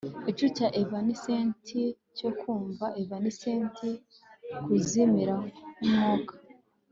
Igicucu cya Evanescent cyo kumva evanescent kuzimira nkumwuka